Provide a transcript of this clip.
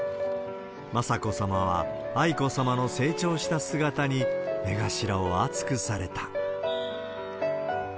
雅子さまは愛子さまの成長した姿に目頭を熱くされた。